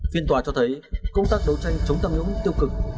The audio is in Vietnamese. phiên tòa cho thấy công tác đấu tranh chống tham nhũng tiêu cực